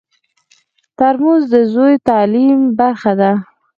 ترموز د زوی د تعلیم برخه ده.